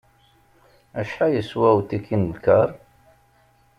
Acḥal yeswa utiki n lkar?